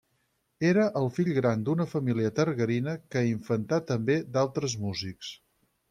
Era el fill gran d’una família targarina que infantà també d’altres músics.